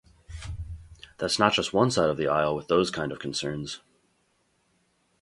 That's not just one side of the aisle with those kind of concerns.